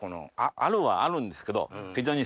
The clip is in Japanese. あるはあるんですけど。